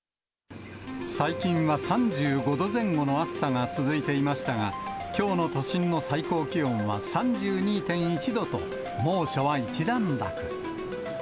最近は３５度前後の暑さが続いていましたが、きょうの都心の最高気温は３２．１度と、猛暑は一段落。